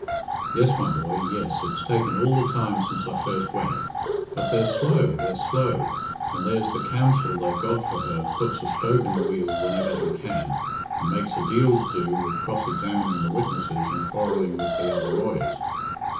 "Yes, my boy, yes—it's taken all the time since I first went; but they're slow, they're slow; and there's the counsel they've got for her puts a spoke in the wheel whenever he can, and makes a deal to do with cross examining the witnesses and quarrelling with the other lawyers.